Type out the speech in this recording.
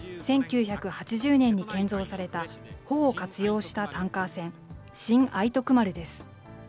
１９８０年に建造された帆を活用したタンカー船、新愛徳丸です。